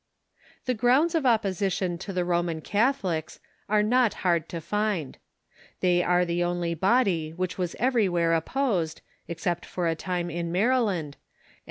The grounds of opposition to the Roman Catholics are not hai'd to find. They are the only body Avhich was everywhere opposed, except for a time in Maryland, and all Reasons